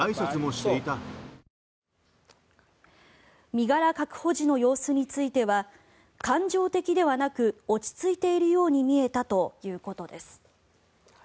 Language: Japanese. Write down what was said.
身柄確保時の様子については感情的ではなく落ち着いているように見えたということです。